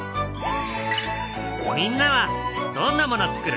みんなはどんなものつくる？